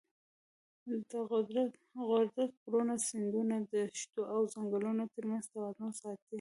قدرت د غرونو، سیندونو، دښتو او ځنګلونو ترمنځ توازن ساتي.